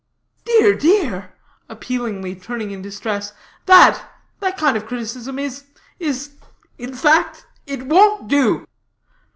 "Dear, dear!" appealingly turning in distress, "that that kind of criticism is is in fact it won't do."